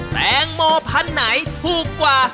แตงโมพันธุ์ไหนถูกกว่า